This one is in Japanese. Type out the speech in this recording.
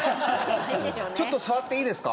ちょっと触っていいですか？